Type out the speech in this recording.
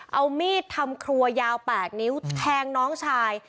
เอามีดทำครัวยาว๘นิ้วแทงน้องชาย